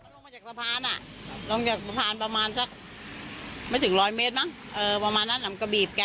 ต้องเข้ามาห้ามอ่ะต้องเข้ามาแยกทั้งคู่อ่ะค่ะ